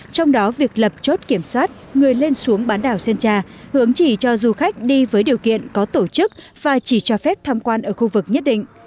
trong đó việc lập chốt kiểm soát người lên xuống bán đảo sơn tra hướng chỉ cho du khách đi với điều kiện có tổ chức và chỉ cho phép tham quan ở khu vực nhất định